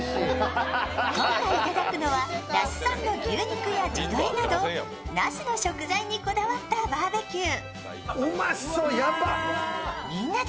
今回いただくのは、那須産の牛肉や地鶏など那須の食材にこだわったバーベキュー。